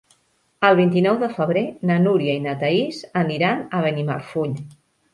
El vint-i-nou de febrer na Núria i na Thaís aniran a Benimarfull.